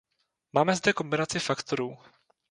Máme zde kombinaci faktorů.